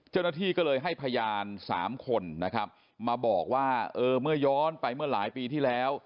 เจ้าหน้าที่ก็เลยให้พยาน๓คนนะครับมาบอกว่าเออเมื่อย้อนไปเมื่อหลายปีที่แล้ว